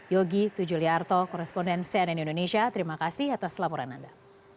yogi tujuliarto koresponden cnn indonesia terima kasih atas laporan anda